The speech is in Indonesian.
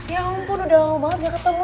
ya ampun udah mau banget gak ketemu